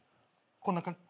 こんな感じ？